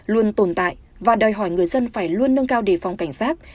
luôn tồn tại và đòi hỏi người dân phải luôn nâng cao đề phòng cảnh sát